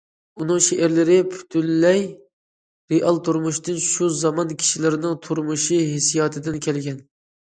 ئۇنىڭ شېئىرلىرى پۈتۈنلەي رېئال تۇرمۇشتىن، شۇ زامان كىشىلىرىنىڭ تۇرمۇشى، ھېسسىياتىدىن كەلگەن.